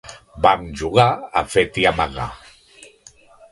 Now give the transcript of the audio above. Vam jugar a fet i amagar.